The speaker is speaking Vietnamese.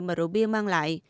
mà rượu bia mang lại